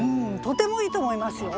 とてもいいと思いますよ。